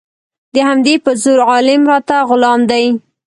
د همدې په زور عالم راته غلام دی